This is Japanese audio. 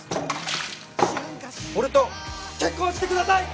俺と結婚してください！